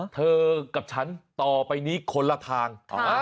เธอกับฉันต่อไปนี้คนละทาง